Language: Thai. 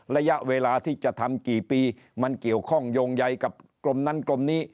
ระยะเวลาที่จะทำกี่ปีมันเกี่ยวข้องโยงใยกับกรมนั้นกรมนี้